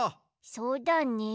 そうだね。